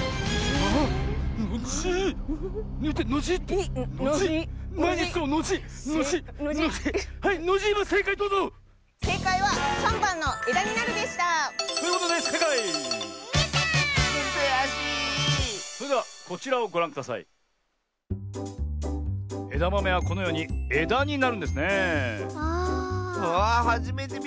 ああはじめてみたッス！